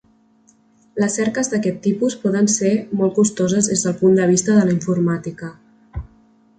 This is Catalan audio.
Les cerques d'aquest tipus poden ser molt costoses des del punt de vista de la informàtica.